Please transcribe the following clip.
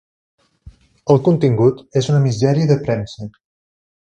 El contingut és una misèria de premsa.